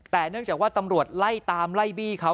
แต่เนื่องจากว่าตำรวจไล่ตามไล่บี้เขา